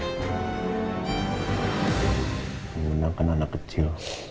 saya sudah menangkan anak kecil